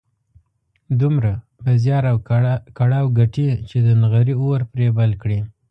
دومره په زيار او کړاو ګټي چې د نغري اور پرې بل کړي.